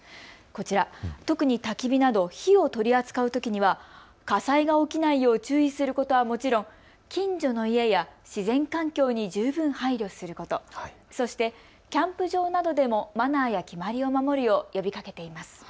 こちら、特にたき火など火を取り扱うときには、火災が起きないよう注意することはもちろん近所の家や自然環境に十分配慮すること、そしてキャンプ場などでもマナーや決まりを守るよう呼びかけています。